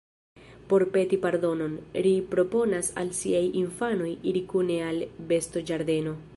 Por peti pardonon, ri proponas al siaj infanoj iri kune al bestoĝardeno.